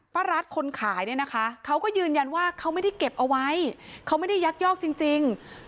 รัฐคนขายเนี่ยนะคะเขาก็ยืนยันว่าเขาไม่ได้เก็บเอาไว้เขาไม่ได้ยักยอกจริง